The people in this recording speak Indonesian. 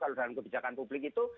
kalau dalam kebijakan publik itu